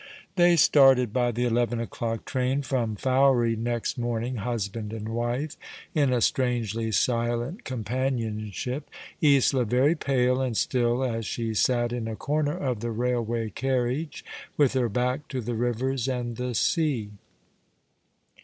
They started by the eleven o'clock train from Fowey next morning, husband and wife, in a strangely silent companion ship — Isola very pale and still as she sat in a corner of the railway carriage, with her back to the rivers and the sea.